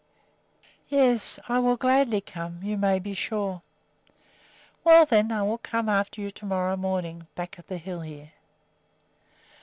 "Yes, I will come gladly, you may be sure." "Well, then, I will come after you to morrow morning, back of the hill here."